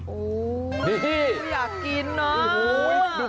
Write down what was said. โอ้วอยากกินน้ำโอ้โฮดูเขา